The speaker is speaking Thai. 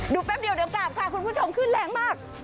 แป๊บเดียวเดี๋ยวกลับค่ะคุณผู้ชมขึ้นแรงมาก